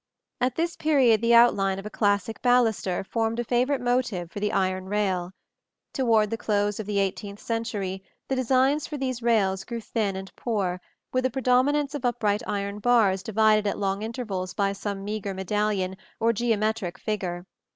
At this period the outline of a classic baluster formed a favorite motive for the iron rail. Toward the close of the eighteenth century the designs for these rails grew thin and poor, with a predominance of upright iron bars divided at long intervals by some meagre medallion or geometrical figure.